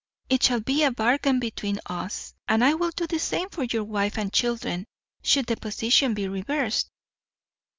It shall be a bargain between us, and I will do the same for your wife and children should the position be reversed.